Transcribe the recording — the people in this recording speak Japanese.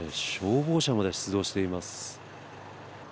消防車まで出動しています。